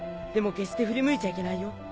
でも決して振り向いちゃいけないよ。